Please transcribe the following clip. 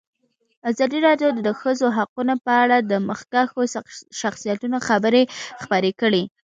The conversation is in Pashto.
ازادي راډیو د د ښځو حقونه په اړه د مخکښو شخصیتونو خبرې خپرې کړي.